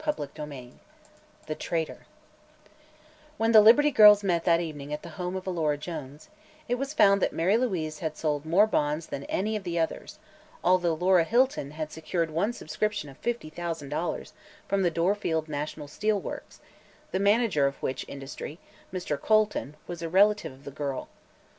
CHAPTER IV THE TRAITOR When the Liberty Girls met that evening at the home of Alora Jones, it was found that Mary Louise had sold more bonds than any of the others, although Laura Hilton had secured one subscription of fifty thousand dollars from the Dorfield National Steel Works, the manager of which industry, Mr. Colton, was a relative of the girl.